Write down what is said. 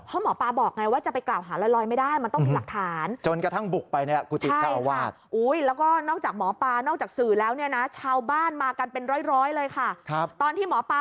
เพราะหมอปลาบอกไงว่าจะไปกล่าวหาลอยไม่ได้มันต้องมีหลักฐาน